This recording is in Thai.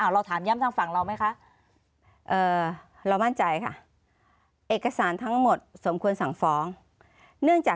เราถามย้ำทางฝั่งเราไหมคะ